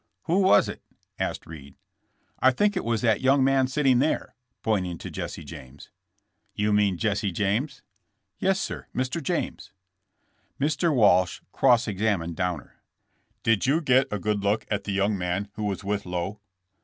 "Who was it?" asked Reed. "I think it was that young man sitting there," pointing to Jesse James. "You mean Mr. James?" "Yes, sir; Mr. James." Mr. Walsh cross examined Downer: "Did you get a good look at the young man who was with Lowe?"